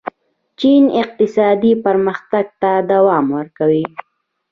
چین اقتصادي پرمختګ ته دوام ورکوي.